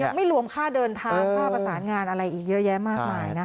ไม่รวมค่าเดินทางค่าประสานงานอะไรอีกเยอะแยะมากมายนะคะ